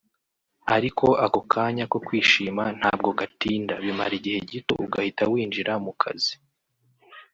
ariko ako kanya ko kwishima ntabwo gatinda bimara igihe gito ugahita winjira mu kazi